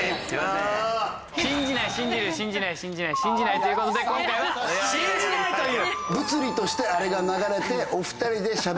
信じない信じる信じない信じない信じないということで今回は信じないという。